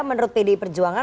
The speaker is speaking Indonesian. menurut pd perjuangan